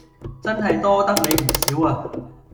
真係多得你唔少啊